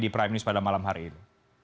di prime news pada malam hari ini